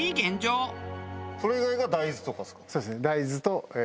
それ以外が大豆とかですか？